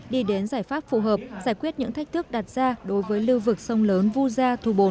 đi đến giải pháp phù hợp giải quyết những thách thức đặt ra đối với lưu vực sông lớn vu gia thu bồn